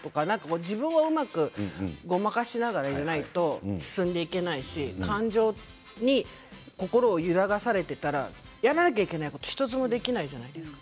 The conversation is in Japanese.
自分をうまくごまかしながらやらないと進んでいくことができないし感情に心を揺らがされていたらやらなくちゃいけないことが１つもできないじゃないですか。